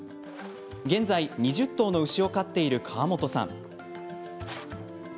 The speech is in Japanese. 現在２０頭の牛を飼っている川本さん。